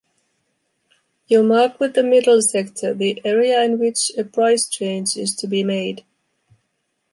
You mark with a middle sector the area in which a price change is to be made.